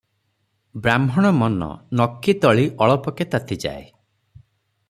ବ୍ରାହ୍ଣଣ ମନ ନକିତଳି ଅଳପକେ ତାତି ଯାଏ ।